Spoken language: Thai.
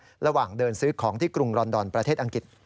ระหว่างเดินซื้อของที่กรุงลอนดอนประเทศอังกฤษ